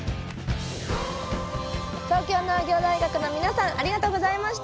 東京農業大学の皆さんありがとうございました！